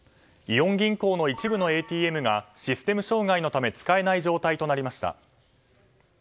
イオン銀行の一部のＡＴＭがシステム障害のため使えない状態となりました。